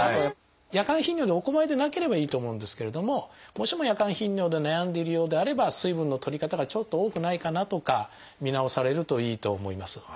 夜間頻尿でお困りでなければいいと思うんですけれどももしも夜間頻尿で悩んでいるようであれば水分のとり方がちょっと多くないかなとか見直されるといいと思います。